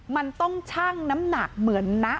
มันต้องชั่งน้ำหนักเหมือนนะ